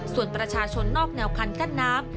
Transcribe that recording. ส่วนประชาชนนอกแนวคันกั้นน้ำ